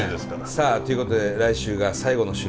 さあということで来週が最後の週でございます。